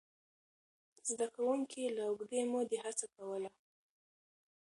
زده کوونکي له اوږدې مودې هڅه کوله.